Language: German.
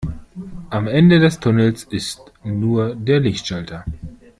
Am Ende des Tunnels ist nur der Lichtschalter.